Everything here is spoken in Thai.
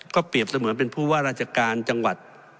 เปรียบเสมือนเป็นผู้ว่าราชการจังหวัด